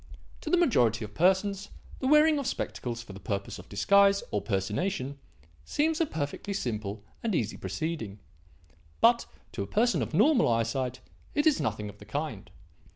To the majority of persons, the wearing of spectacles for the purpose of disguise or personation, seems a perfectly simple and easy proceeding. But, to a person of normal eyesight, it is nothing of the kind.